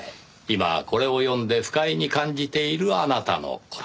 「今これを読んで不快に感じているあなたの事」。